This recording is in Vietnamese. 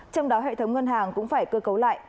trong đó hệ thống ngân hàng cũng phải cơ cấu lại